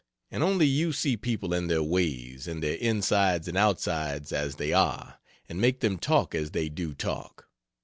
And only you see people and their ways, and their insides and outsides as they are, and make them talk as they do talk.